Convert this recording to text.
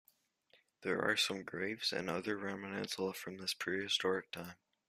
There are some graves and other remnants left from this prehistoric time.